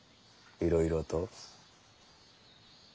いろいろと？